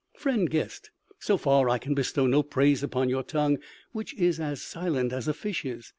'" "Friend guest, so far I can bestow no praise upon your tongue, which is as silent as a fish's.